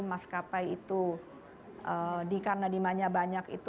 maskapai itu karena dimanya banyak